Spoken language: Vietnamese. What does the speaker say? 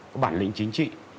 có bản lĩnh chính trị